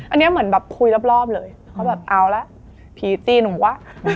อันนี้เหมือนแบบคุยรอบเลยเขาแบบเอาละผีตีหนูว่า